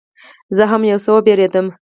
زه هم یو څه وبېرېدم.